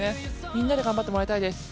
みんなで頑張ってもらいたいです。